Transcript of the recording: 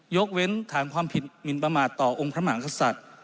ยกเว้นฐานความผิดหมินประมาทต่อองค์พระมหากษัตริย์